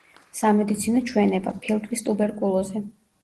სამედიცინო ჩვენება: ფილტვის ტუბერკულოზი.